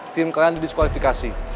tim kalian didiskualifikasi